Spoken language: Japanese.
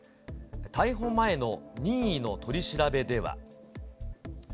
逮捕前の任意の取り調べでは。